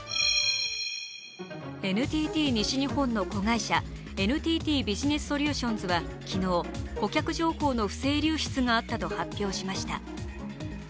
ＮＴＴ西日本の子会社ＮＴＴビジネスソリューションズは昨日顧客情報の不正流出があったと発表しました。